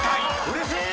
うれしい！